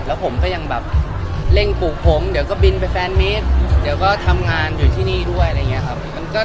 แล้วผมก็ยังแบบเร่งปลูกผมเดี๋ยวก็บินไปแฟนมิตรเดี๋ยวก็ทำงานอยู่ที่นี่ด้วยอะไรอย่างนี้ครับ